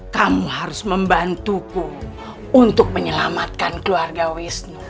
kamu harus membantuku untuk menyelamatkan keluarga wisnu